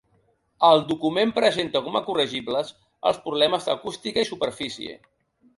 El document presenta com a corregibles els problemes d’acústica i superfície.